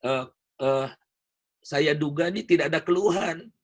eh saya duga ini tidak ada keluhan